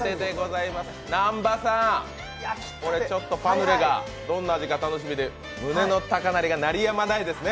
南波さん、これちょっとパヌレがどんな味か楽しみで胸の高鳴りが鳴りやまないですね